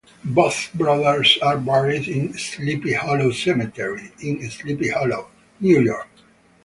Both brothers are buried in Sleepy Hollow Cemetery in Sleepy Hollow, New York.